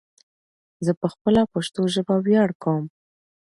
ځه په خپله پشتو ژبه ویاړ کوم